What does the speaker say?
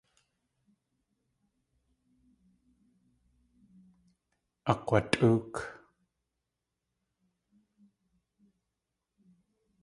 Akg̲watʼóok.